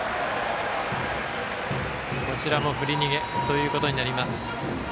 こちらも振り逃げということになります。